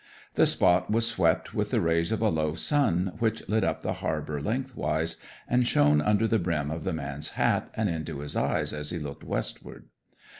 The spot was swept with the rays of a low sun, which lit up the harbour lengthwise, and shone under the brim of the man's hat and into his eyes as he looked westward.